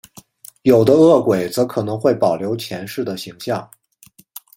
有的饿鬼则可能会保留前世的形象。